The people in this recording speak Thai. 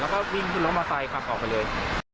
แล้วก็วิ่งขึ้นแล้วมาใส่ขับออกไปเลย